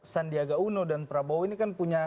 sandiaga uno dan prabowo ini kan punya